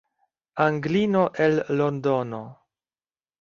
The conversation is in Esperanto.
Anglino el Londono!